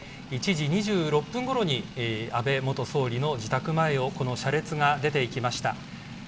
１時２６分ごろに安倍元総理の自宅前を車列が出て行きました。